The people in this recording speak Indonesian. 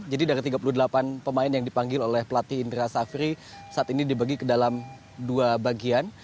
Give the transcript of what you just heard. jadi dari tiga puluh delapan pemain yang dipanggil oleh pelatih indra safri saat ini dibagi ke dalam dua bagian